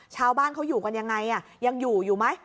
ชาวบ้านเขาอยู่กันยังไงยังอยู่อยู่ไหม